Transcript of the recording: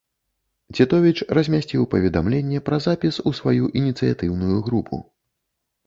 Цітовіч размясціў паведамленне пра запіс у сваю ініцыятыўную групу.